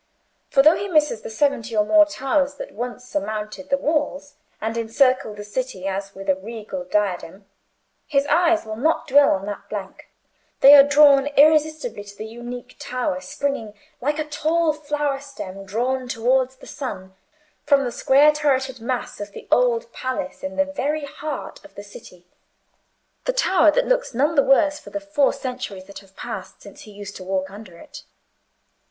For though he misses the seventy or more towers that once surmounted the walls, and encircled the city as with a regal diadem, his eyes will not dwell on that blank; they are drawn irresistibly to the unique tower springing, like a tall flower stem drawn towards the sun, from the square turreted mass of the Old Palace in the very heart of the city—the tower that looks none the worse for the four centuries that have passed since he used to walk under it.